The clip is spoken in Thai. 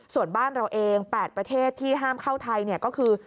ส่วนบ้านเราเอง๘ประเทศที่ห้ามเข้าไทยก็คือ